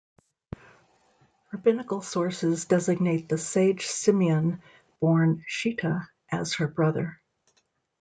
Rabbinical sources designate the Sage Simeon born Shetah as her brother.